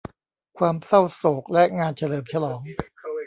ความเศร้าโศกและงานเฉลิมฉลอง